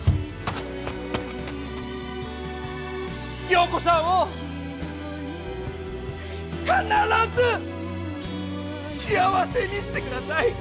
良子さんを必ず幸せにしてください！